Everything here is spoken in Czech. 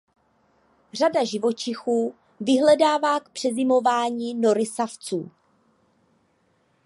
Řada živočichů vyhledává k přezimování nory savců.